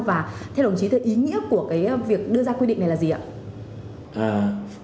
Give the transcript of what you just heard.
và theo đồng chí thì ý nghĩa của cái việc đưa ra quy định này là gì ạ